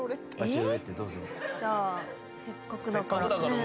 じゃあせっかくだから。